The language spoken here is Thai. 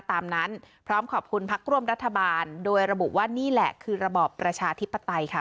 ตามนั้นพร้อมขอบคุณพักร่วมรัฐบาลโดยระบุว่านี่แหละคือระบอบประชาธิปไตยค่ะ